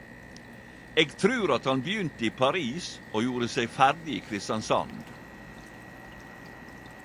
Eg trur at han begynte i Paris og gjorde seg ferdig i Kristiansand.